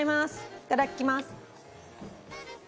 いただきます。